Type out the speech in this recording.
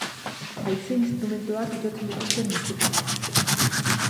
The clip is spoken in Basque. Haize instrumentuak jotzen dituzten musikariak.